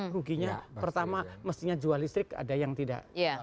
ruginya pertama mestinya jual listrik ada yang tidak